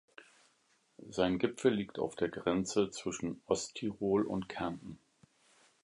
Sein Gipfel liegt auf der Grenze zwischen Osttirol und Kärnten.